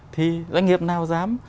thì doanh nghiệp nào dám